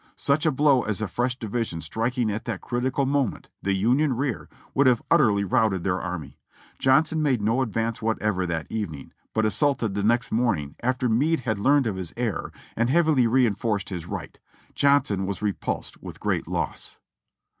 Such a blow as a fresh division striking at that critical moment, the Union rear, would have utterly routed their army. Johnson made no ad vance whatever that evening, but assaulted the next morning after Meade had learned of his error and heavily reinforced his right. Johnson was repulsed with great loss.